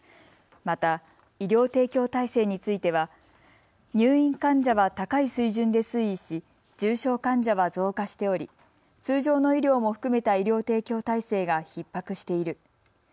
また、医療提供体制については入院患者は高い水準で推移し重症患者は増加しており通常の医療も含めた医療提供体制がひっ迫している。